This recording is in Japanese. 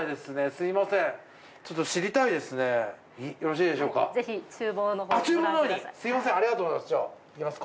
すみませんありがとうございます。